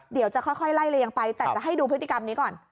เดี๋ยวจะค่อยไล่เลียงไปแต่จะให้ดูพฤติกรรมนี้ก่อน